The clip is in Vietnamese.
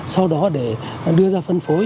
sau đó để đưa ra phân phối